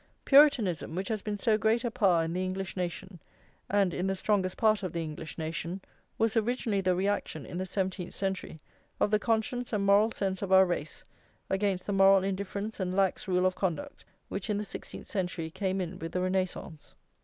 Puritanism, which has been so great a power in the English nation, and in the strongest part of the English nation, was originally the reaction, in the seventeenth century, of the conscience and moral sense of our race, against the moral indifference and lax rule of conduct which in the sixteenth century came in with the Renascence.